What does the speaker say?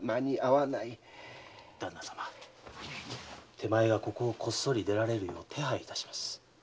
手前がここをこっそり出られるように手配いたします。